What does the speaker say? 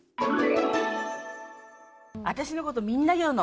私のこと、みんな言うの。